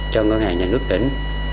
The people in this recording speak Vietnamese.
cho ngân hàng nhà nước tỉnh